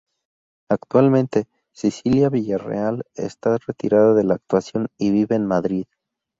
Actualmente Cecilia Villarreal está retirada de la actuación y vive en Madrid.